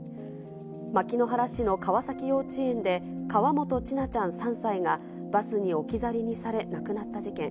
牧之原市の川崎幼稚園で、河本千奈ちゃん３歳が、バスに置き去りにされ、亡くなった事件。